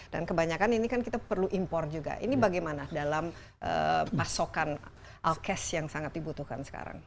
dan kebanyakan ini kan kita perlu impor juga ini bagaimana dalam pasokan alcash yang sangat dibutuhkan sekarang